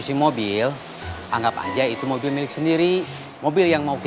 sampai ketemu lagi